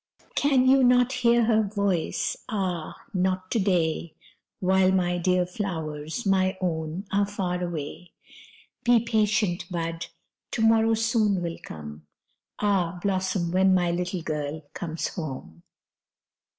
Can you not hear her voice: "Ah, not to day, While my dear flowers, my own, are far away. Be patient, bud! to morrow soon will come: Ah! blossom when my little girl comes home!"